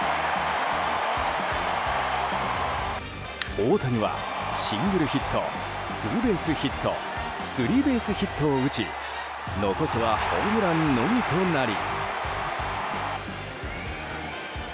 大谷は、シングルヒットツーベースヒットスリーベースヒットを打ち残すはホームランのみとなり。